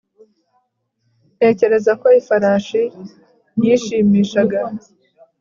ntekereza ko ifarashi yishimishaga